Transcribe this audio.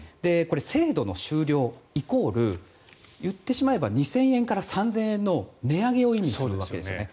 制度の終了イコール言ってしまえば２０００円から３０００円の値上げを意味するわけですね。